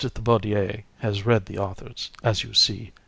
Thibaudier has read the authors, as you see.